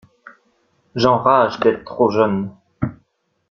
J'enrage d'être trop jeune.